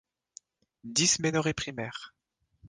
Dysménorrhées primaires.